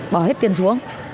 bỏ hết tiền xuống